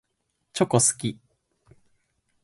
チョコ好き。